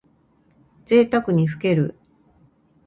ぜいたくにふける。